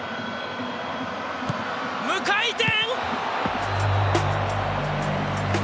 無回転。